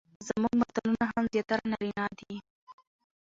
زموږ متلونه هم زياتره نارينه دي،